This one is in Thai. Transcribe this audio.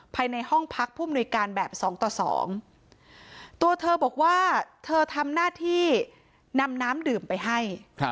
ภายในห้องพักผู้มนุยการแบบ๒ต่อ๒ตัวเธอบอกว่าเธอทำหน้าที่นำน้ำดื่มไปให้